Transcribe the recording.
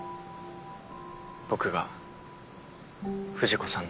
僕が藤子さんの。